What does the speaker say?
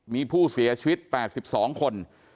มีผู้เสียชีวิต๘๒คน